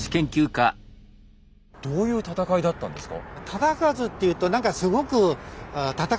どういう戦いだったんですか？